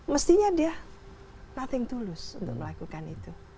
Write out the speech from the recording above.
mestinya dia nothing tulus untuk melakukan itu